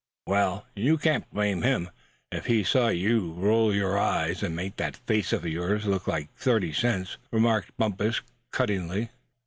"Well, you can't blame him, if he saw you roll your eyes, and make that face of yours look like thirty cents," remarked Bumpus, cuttingly.